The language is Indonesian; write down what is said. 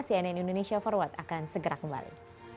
cnn indonesia for world akan segera kembali